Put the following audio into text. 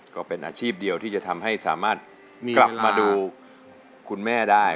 ก็เป็นอาชีพเดียวที่จะทำให้สามารถกลับมาดูคุณแม่ได้